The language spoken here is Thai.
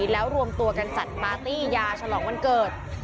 แล้วรวมตัวกันจัดปาร์ตี้ยาฉลองวันเกิด